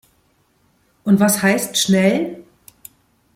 Und was heißt schnell?